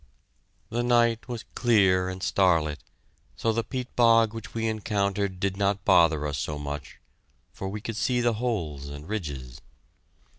The night was clear and starlight, so the peat bog which we encountered did not bother us so much, for we could see the holes and ridges.